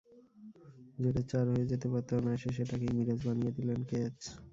যেটা চার হয়ে যেতে পারত অনায়াসে, সেটাকেই মিরাজ বানিয়ে দিলেন ক্যাচ।